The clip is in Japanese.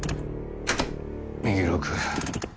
右６。